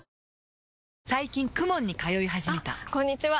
最近 ＫＵＭＯＮ に通い始めたあこんにちは！